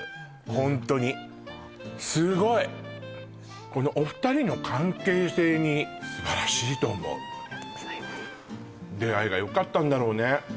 ホントにすごいっこのお二人の関係性に素晴らしいと思うありがとうございます出会いがよかったんだろうね